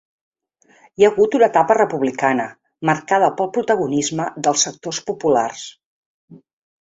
Hi ha hagut una etapa republicana marcada pel protagonisme dels sectors populars.